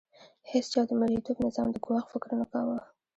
هیڅ چا د مرئیتوب نظام د ګواښ فکر نه کاوه.